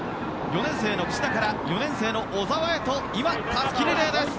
４年生の櫛田から４年生の小澤へたすきリレーです。